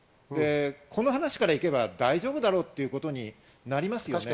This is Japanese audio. この話からいけば大丈夫だろうということになります。